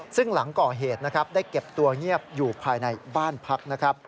ซึ่งหลังก่อเหตุได้เก็บตัวเงียบอยู่ภายในบ้านพัก